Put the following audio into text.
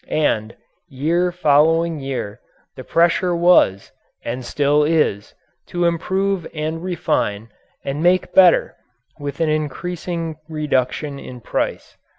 And, year following year, the pressure was, and still is, to improve and refine and make better, with an increasing reduction in price.